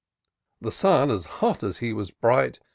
The Sun, as hot as he was bright.